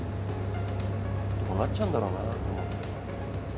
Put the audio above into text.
どうなっちゃうんだろうなって思って。